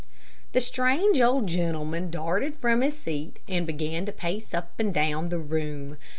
The strange old gentleman darted from his seat, and began to pace up and down the room.